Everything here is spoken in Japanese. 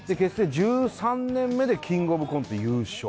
１３年目でキングオブコント優勝